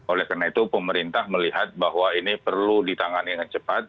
oleh karena itu pemerintah melihat bahwa ini perlu ditangani dengan cepat